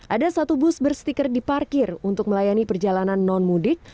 ada satu bus berstiker diparkir untuk melayani perjalanan non mudik